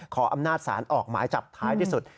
ขออำนาจศาลออกหมายจับท้ายที่สุด